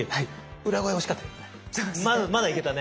裏声惜しかったけどね。